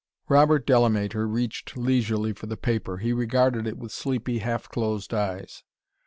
Robert Delamater reached leisurely for the paper. He regarded it with sleepy, half closed eyes.